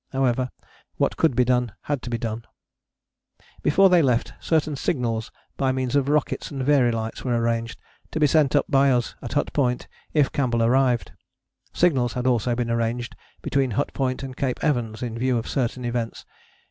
However, what could be done had to be done. Before they left certain signals by means of rockets and Véry lights were arranged, to be sent up by us at Hut Point if Campbell arrived: signals had also been arranged between Hut Point and Cape Evans in view of certain events.